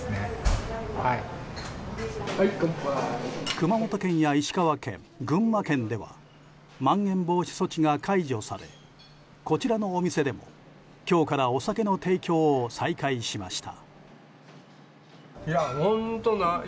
熊本県や石川県、群馬県ではまん延防止措置が解除されこちらのお店でも今日からお酒の提供を再開しました。